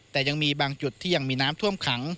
แต่ยังมีบางจุดที่ยังมีน้ำท่วมขัง